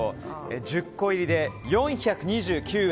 １０個入りで４２９円。